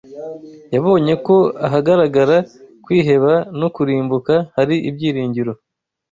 yabonye ko ahagaragara kwiheba no kurimbuka hari ibyiringiro